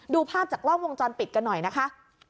ดูภาพจากกล้องวงจรปิดกันหน่อยนะคะ